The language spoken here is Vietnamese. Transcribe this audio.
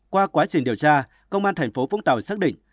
qua quá trình điều tra công an thành phố vũng tàu xác định